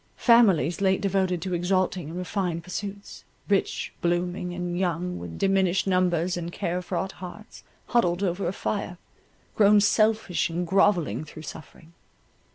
Families late devoted to exalting and refined pursuits, rich, blooming, and young, with diminished numbers and care fraught hearts, huddled over a fire, grown selfish and grovelling through suffering.